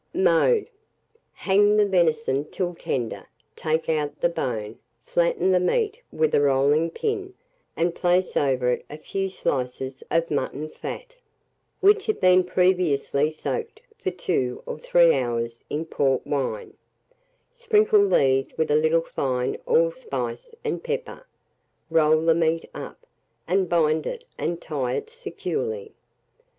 Mode. Hang the venison till tender; take out the bone, flatten the meat with a rolling pin, and place over it a few slices of mutton fat, which have been previously soaked for 2 or 3 hours in port wine; sprinkle these with a little fine allspice and pepper, roll the meat up, and bind and tie it securely.